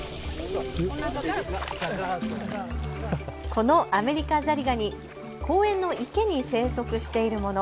このアメリカザリガニ、公園の池に生息しているもの。